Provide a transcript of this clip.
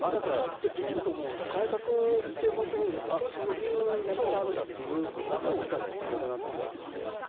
改革って本当にそういうやり方があるんだという新しいやり方は必要だと思いますね。